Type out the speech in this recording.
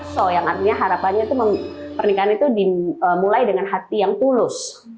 so yang artinya harapannya pernikahan itu dimulai dengan hati yang tulus